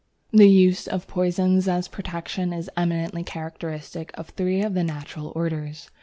The use of poisons as protection is eminently characteristic of three of the natural orders.